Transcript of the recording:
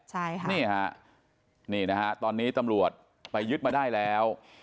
ใช่ค่ะนี่ฮะนี่นะฮะตอนนี้ตำรวจไปยึดมาได้แล้ว